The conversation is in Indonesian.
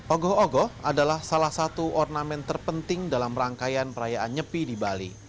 ogoh ogoh adalah salah satu ornamen terpenting dalam rangkaian perayaan nyepi di bali